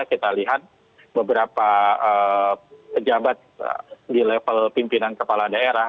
kita lihat beberapa pejabat di level pimpinan kepala daerah